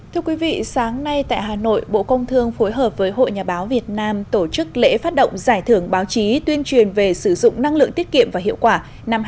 thưa quý vị sáng nay tại hà nội bộ công thương phối hợp với hội nhà báo việt nam tổ chức lễ phát động giải thưởng báo chí tuyên truyền về sử dụng năng lượng tiết kiệm và hiệu quả năm hai nghìn hai mươi ba